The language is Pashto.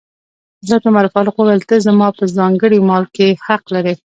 حضرت عمر فاروق وویل: ته زما په ځانګړي مال کې حق لرې.